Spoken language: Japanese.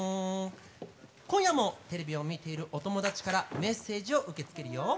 今夜もテレビを見ているお友達からメッセージを受け付けるよ！